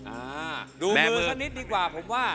อ่าดูมือสักนิดดีกว่าผมว่า